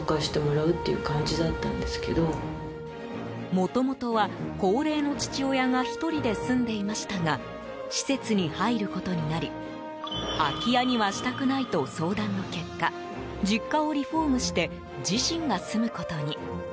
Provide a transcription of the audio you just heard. もともとは、高齢の父親が１人で住んでいましたが施設に入ることになり空き家にはしたくないと相談の結果実家をリフォームして自身が住むことに。